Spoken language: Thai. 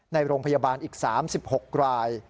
ในโรงพยาบาลอีก๓๖ราย